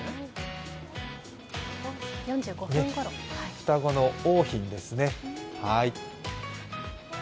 双子の桜浜ですね。